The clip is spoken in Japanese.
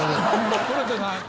取れてない。